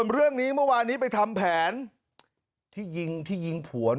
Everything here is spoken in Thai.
เรื่องนี้เมื่อวานนี้ไปทำแผนที่ยิงที่ยิงผัว